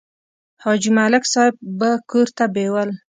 حاجي معلم صاحب به کور ته بېول.